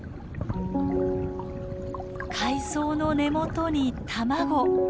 海藻の根元に卵！